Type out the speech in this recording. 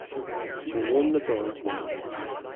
They won the bronze medal.